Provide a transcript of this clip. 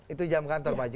itu jam kantor pak haji